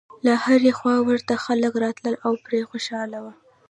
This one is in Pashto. له هرې خوا ورته خلک راتلل او پرې خوشاله و.